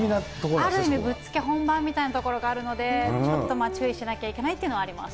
ある意味、ぶっつけ本番みたいなところがあるので、ちょっと注意しなきゃいけないっていうのはあります。